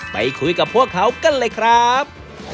ไปคุยกับพวกเขากันเลยครับ